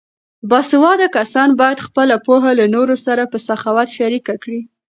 باسواده کسان باید خپله پوهه له نورو سره په سخاوت شریکه کړي.